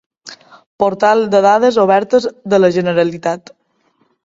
Portal de dades obertes de la Generalitat.